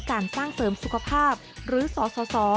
การสร้างเสริมสุขภาพหรือสส